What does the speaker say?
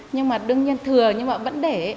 nhưng mà đương nhiên thừa nhưng mà vẫn để